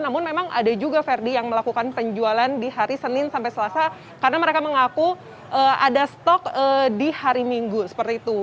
namun memang ada juga verdi yang melakukan penjualan di hari senin sampai selasa karena mereka mengaku ada stok di hari minggu seperti itu